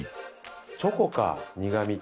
チョコか苦みって。